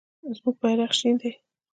زموږ بیرغ شنه دی.